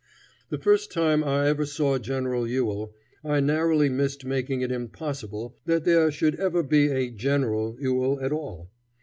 The first time I ever saw General Ewell, I narrowly missed making it impossible that there should ever be a General Ewell at all.